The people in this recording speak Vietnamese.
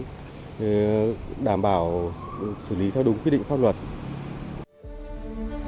kết nguyên đáng đang đến gần tình hình hoạt động của các loại tội phạm tiềm ẩn nhiều yếu tố phức tạp